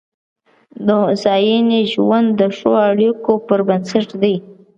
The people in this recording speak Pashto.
د هوساینې ژوند د ښو اړیکو پر بنسټ دی.